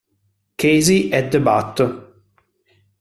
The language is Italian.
Casey at the Bat